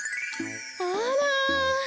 あら！